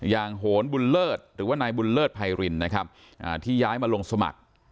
อย่างโหณบุญเลิศหรือว่านายบุญเลิศภัยริณที่ย้ายมาลงสมัคร